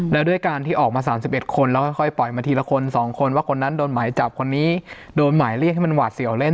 แล้วด้วยการที่ออกมา๓๑คนแล้วค่อยปล่อยมาทีละคน๒คนว่าคนนั้นโดนหมายจับคนนี้โดนหมายเรียกให้มันหวาดเสียวเล่น